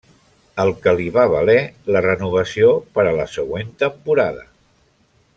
El que li va valer la renovació per a la següent temporada.